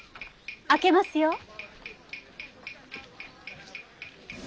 開けますよ。